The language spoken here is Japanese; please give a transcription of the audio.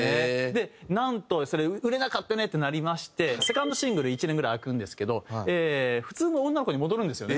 でなんと売れなかったねってなりましてセカンドシングル１年ぐらい空くんですけど普通の女の子に戻るんですよね。